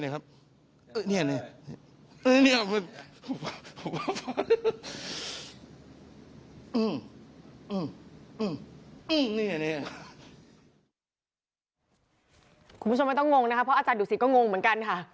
คุณผู้ชมไม่ต้องงงนะคะเพราะอาจารย์ดุสิตก็งงเหมือนกันค่ะ